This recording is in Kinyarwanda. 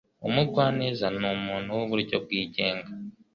Umugwaneza numuntu wuburyo bwigenga.